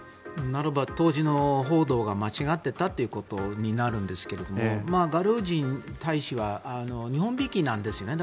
ならば当時の報道が間違ってたことになるんですがガルージン大使は日本びいきなんですね。